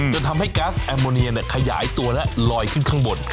จนทำให้ก๊าซแอมโมเนียขยายตัวและลอยขึ้นข้างบน